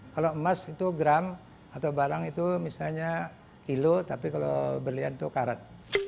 kalau emas itu gram atau barang itu misalnya kilo tapi kalau berlian itu karat